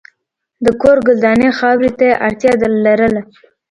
د کور ګلداني خاورې ته اړتیا لرله.